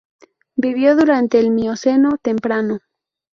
Vivió durante el Mioceno temprano.